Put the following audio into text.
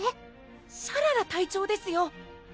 シャララ隊長ですよ